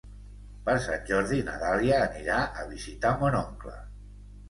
Per Sant Jordi na Dàlia anirà a visitar mon oncle.